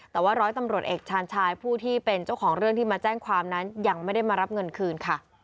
แต่ว่าร้อยตำรวจเอกชาญชายผู้ที่เป็นเจ้าของเรื่องที่มาแจ้งความนั้นยังไม่ได้มารับเงินคืนค่ะ